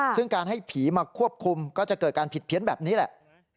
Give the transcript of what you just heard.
ซึ่งการให้ผีมาควบคุมก็จะเกิดการผิดเพี้ยนแบบนี้แหละ